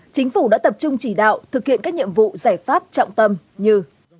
chính phủ đã tập trung chỉ đạo thực hiện các nhiệm vụ giải pháp trọng tâm như